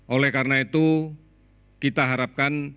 oleh karena itu kita harapkan